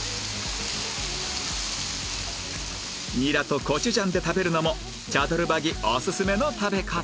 ニラとコチュジャンで食べるのもチャドルバギおすすめの食べ方